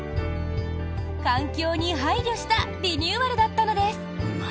環境に配慮したリニューアルだったのです。